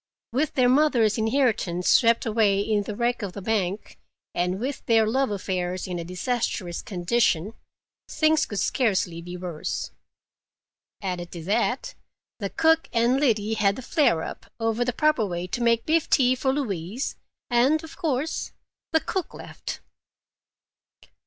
With their mother's inheritance swept away in the wreck of the bank, and with their love affairs in a disastrous condition, things could scarcely be worse. Added to that, the cook and Liddy had a flare up over the proper way to make beef tea for Louise, and, of course, the cook left.